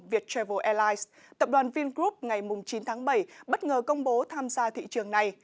viettravel airlines tập đoàn vingroup ngày chín tháng bảy bất ngờ công bố tham gia thị trường này